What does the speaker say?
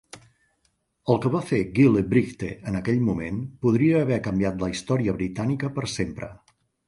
El que va fer Gille Brigte en aquell moment podria haver canviat la història britànica per sempre.